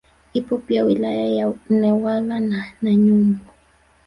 Ipo pia wilaya ya Newala na Nanyumbu